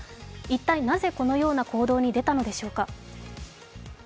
一体、なぜこのような行動に出たのでしょうか。